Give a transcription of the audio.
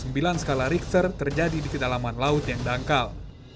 sembilan skala richter terjadi di kedalaman laut yang dangkal